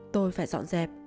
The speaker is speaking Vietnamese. tôi phải dọn dẹp